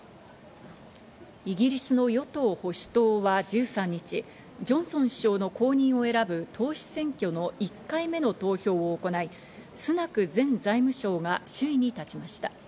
イギリスの与党保守党は１３日、ジョンソン首相の後任を選ぶ党首選挙の１回目の投票を行い、スナク前財務相が首位に立ちました。